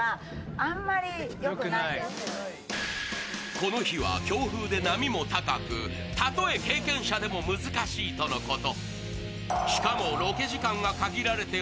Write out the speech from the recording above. この日は強風で波も高く、たとえ経験者でも難しいとのこと。